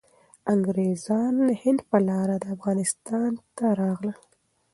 انګریزان د هند په لاره افغانستان ته راغلل.